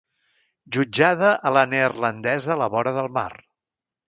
Jutjada a la neerlandesa a la vora del mar.